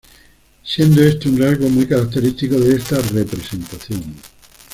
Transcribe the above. Siendo este un rasgo muy característico de esta representación.